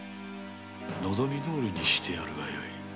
望みどおりにしてやるがよい。